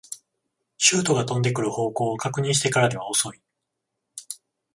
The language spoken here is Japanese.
シュートが飛んでくる方向を確認してからでは遅い